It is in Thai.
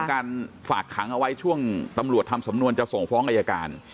การฝากขังเอาไว้ช่วงตำรวจทำสำนวนจะส่งฟ้องอายการ